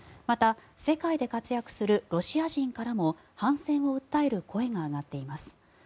また、世界で活躍するロシア人からも反戦を訴える声が上がっています。